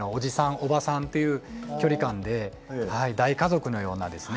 おばさんっていう距離感で大家族のようなですね